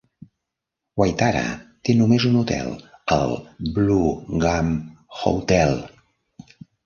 Waitara té només un hotel, el Blue Gum Hotel.